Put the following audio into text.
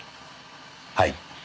はい。